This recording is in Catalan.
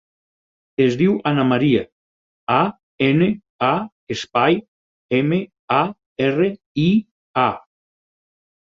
Es diu Ana maria: a, ena, a, espai, ema, a, erra, i, a.